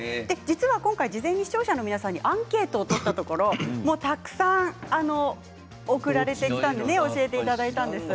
今回、事前に視聴者の皆さんにアンケートを取ったところたくさん送られて教えていただきました。